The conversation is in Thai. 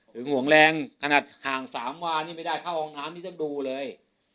ห่วงแรงขนาดห่าง๓วานี่ไม่ได้เข้าห้องน้ำนี่ฉันดูเลย